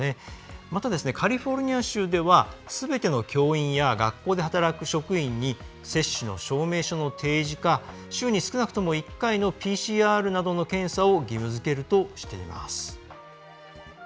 また、カリフォルニア州ではすべての教員や学校で働く職員に接種の証明書の提示か週に少なくとも１回のＰＣＲなどの検査を義務づけるとしています。